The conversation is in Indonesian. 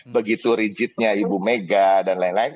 begitu rigidnya ibu mega dan lain lain